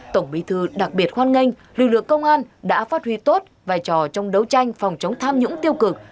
tổng bí thư đặc biệt hoan nghênh lực lượng công an đã phát huy tốt vai trò trong đấu tranh phòng chống tham nhũng tiêu cực